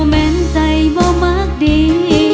แม่นใจบ่มักดี